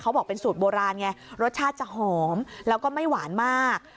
บอกเป็นสูตรโบราณไงรสชาติจะหอมแล้วก็ไม่หวานมาก